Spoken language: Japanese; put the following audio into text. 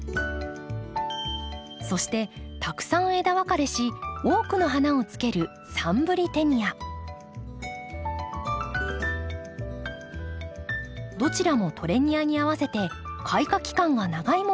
そしてたくさん枝分かれし多くの花をつけるどちらもトレニアに合わせて開花期間が長いものを選びました。